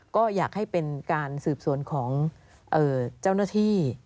ก็อยากให้เป็นการสืบสวนของเจ้าหน้าที่